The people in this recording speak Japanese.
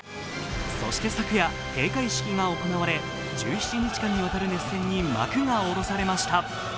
そして昨夜、閉会式が行われ、１７日にわたる熱戦に幕が下ろされました。